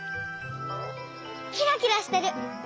キラキラしてる。